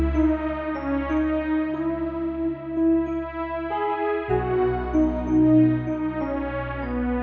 jadi ini harusnya